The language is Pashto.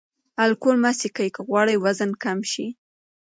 الکول مه څښئ که غواړئ وزن کم شي.